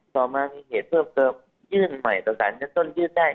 ต่อมามีเหตุเพิ่มเติมยื่นใหม่ต่อสารชั้นต้นยื่นได้